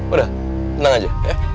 udah tenang aja